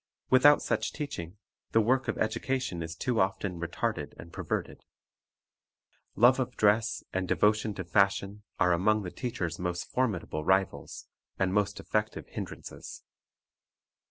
Without such teaching, the work of education is too often retarded and perverted. Love of dress, and devotion to fashion, are among the teacher's most formidable rivals and most effective hindrances.